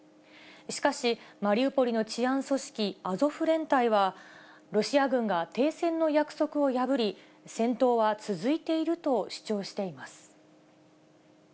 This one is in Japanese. しかし、マリウポリの治安組織、アゾフ連隊は、ロシア軍が停戦の約束を破り、戦闘は続いていると主張しています。